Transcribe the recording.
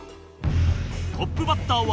トップバッターは